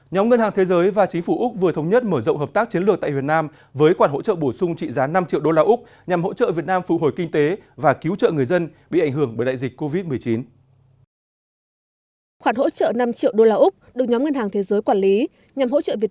nhóm ngân hàng thế giới và chính phủ úc vừa thống nhất mở rộng hợp tác chiến lược tại việt nam với khoản hỗ trợ bổ sung trị giá năm triệu đô la úc nhằm hỗ trợ việt nam phụ hồi kinh tế và cứu trợ người dân bị ảnh hưởng bởi đại dịch covid một mươi chín